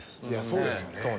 そうですよね。